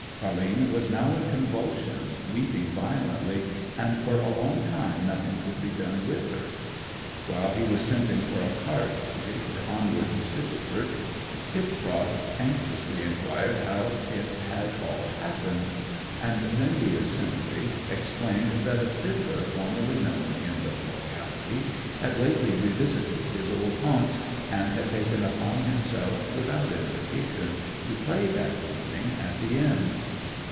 Car'line was now in convulsions, weeping violently, and for a long time nothing could be done with her. While he was sending for a cart to take her onward to Stickleford Hipcroft anxiously inquired how it had all happened; and then the assembly explained that a fiddler formerly known in the locality had lately revisited his old haunts, and had taken upon himself without invitation to play that evening at the inn.